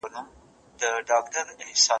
کېدای سي د کتابتون کتابونه سخت وي!.